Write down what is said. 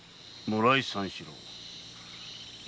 「村井三四郎」か。